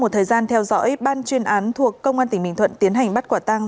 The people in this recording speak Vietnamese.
một thời gian theo dõi ban chuyên án thuộc công an tỉnh bình thuận tiến hành bắt quả tăng